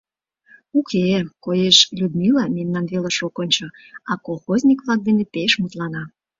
Уке, коеш, Людмила мемнан велыш ок ончо, а колхозник-влак дене пеш мутлана.